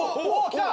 来た！